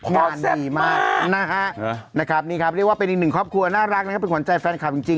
งันดีมากนะครับนี่ครับเรียกว่าเป็นอีกครอบครัวน่ารักหวังใจแฟนคลับจริง